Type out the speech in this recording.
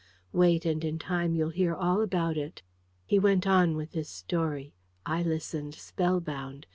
Wait, and in time you'll hear all about it." He went on with his story. I listened, spell bound.